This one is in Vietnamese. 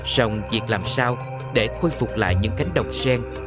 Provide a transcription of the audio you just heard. xong việc làm sao để khôi phục lại những cánh đồng sen